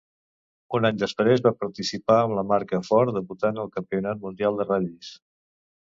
Un any després va participar amb la marca Ford debutant al Campionat Mundial de Ral·lis.